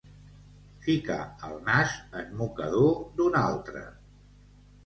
Ficar el nas en mocador d'un altre.